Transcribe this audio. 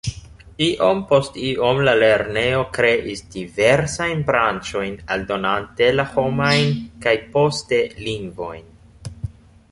Iom post iom la lernejo kreis diversajn branĉojn aldonante la homajn kaj poste lingvojn.